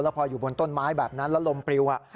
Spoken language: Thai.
พออยู่บนต้นไม้แบบนั้นแล้วลมปริว